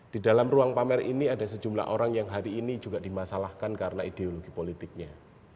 di dalam ruang pamer ini ada sejumlah orang yang hari ini juga dimasalahkan karena ideologi politiknya